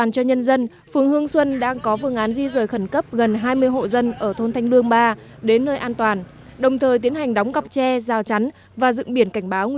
nguyên nhân do sông bồ đoạn qua thôn thanh lương liên tục xảy ra tình trạng khai thác cát sạn trái phép rầm rộ